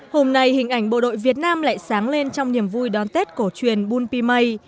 hôm nay hình ảnh bộ đội việt nam lại sáng lên trong niềm vui đón tết cổ truyền bùn pì mây